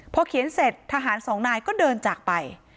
พอเขียนเสร็จทหารสองนายก็เดินจากไป